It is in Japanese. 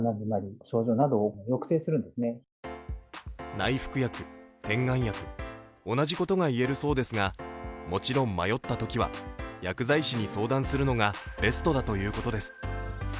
内服薬、点眼薬、同じことがいえるそうですがもちろん迷ったときは薬剤師に相談するのがベストだということです。